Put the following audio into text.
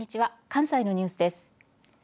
関西のニュースです。